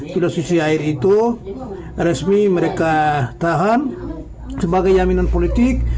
pilot susi air itu resmi mereka tahan sebagai yaminan politik